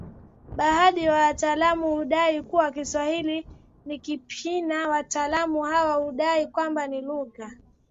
Baadhi ya wataalamu hudai kuwa Kiswahili ni KiPijini Wataalamu hawa hudai kwamba ni lugha